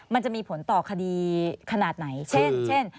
มันจะมีผลต่อคดีขนาดไหนเช่น